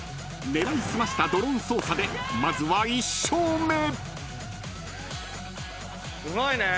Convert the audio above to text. ［狙い澄ましたドローン操作でまずは１勝目］